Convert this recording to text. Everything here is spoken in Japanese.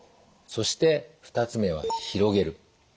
そして２つ目は広げる。